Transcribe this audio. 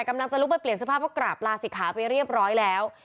กำลังจะลุกไปเปลี่ยนสภาพเพราะกราบลาศิกขาไปเรียบร้อยแล้ว